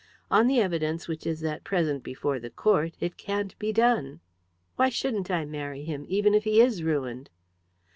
On the evidence which is at present before the court it can't be done." "Why shouldn't I marry him, even if he is ruined?"